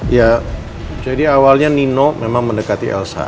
ya jadi awalnya nino memang mendekati elsa